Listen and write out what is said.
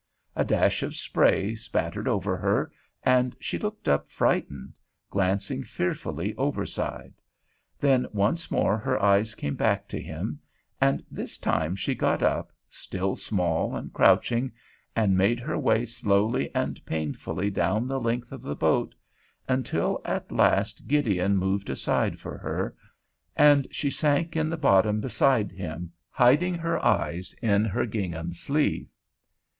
A dash of spray spattered over her, and she looked up frightened, glancing fearfully overside; then once more her eyes came back to him, and this time she got up, still small and crouching, and made her way slowly and painfully down the length of the boat, until at last Gideon moved aside for her, and she sank in the bottom beside him, hiding her eyes in her gingham sleeve.